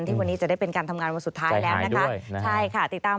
ที่วันนี้จะได้เป็นการทำงานวันสุดท้ายแล้ว